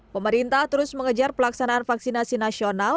pemerintah terus mengejar pelaksanaan vaksinasi nasional